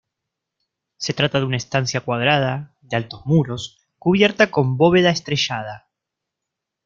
Se trata de una estancia cuadrada, de altos muros, cubierta con bóveda estrellada.